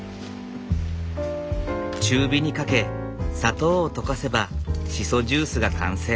中火にかけ砂糖を溶かせばシソジュースが完成。